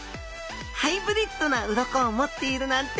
ハイブリッドな鱗を持っているなんて